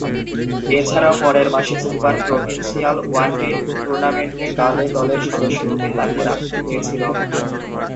এছাড়াও, পরের মাসে সুপার প্রভিন্সিয়াল ওয়ান ডে টুর্নামেন্টে গালে দলের সদস্যরূপে তাকে রাখা হয়েছিল।